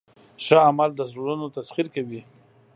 ښه عمل د زړونو تسخیر کوي.